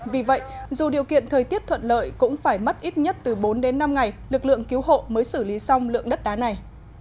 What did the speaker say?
vì vậy dù điều kiện thời tiết thuận lợi cũng phải mất ít nhất từ bốn đến năm ngày lực lượng cứu hộ mới xử lý xong lượng đất đá này